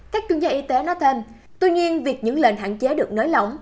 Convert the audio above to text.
các chuyên gia y tế nói thêm tuy nhiên việc những lệnh hạn chế được nới lỏng